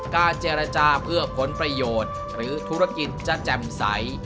การเจรจาเพื่อผลประโยชน์หรือธุรกิจจะแจ่มใส